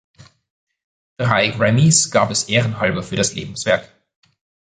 Drei Grammys gab es ehrenhalber für das Lebenswerk.